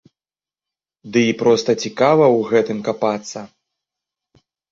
Ды і проста цікава ў гэтым капацца!